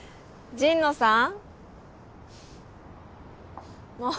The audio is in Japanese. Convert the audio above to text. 神野さん！